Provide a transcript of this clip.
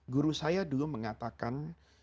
guru saya dulu mengatakan